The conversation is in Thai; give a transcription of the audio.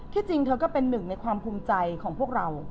ที่จริงเธอก็เป็นหนึ่งในความภูมิใจของพวกเรา